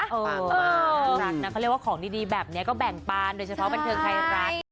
เขารักนะเขาเรียกว่าของดีแบบนี้ก็แบ่งปานโดยเฉพาะเป็นเครื่องใครรัก